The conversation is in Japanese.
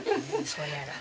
そうやろ。